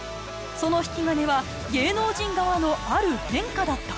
その引き金は芸能人側のある変化だった？